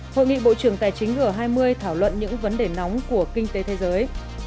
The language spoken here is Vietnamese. hội nghị bộ trưởng tài chính g hai mươi thảo luận những vấn đề nóng của kinh tế thế giới